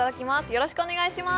よろしくお願いします